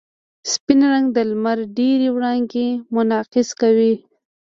سپین رنګ د لمر ډېرې وړانګې منعکس کوي.